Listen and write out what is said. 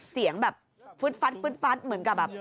เสียงแบบฟึดฟัดฟึดเหมือนกับแบบ